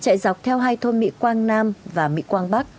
chạy dọc theo hai thôn mỹ quang nam và mỹ quang bắc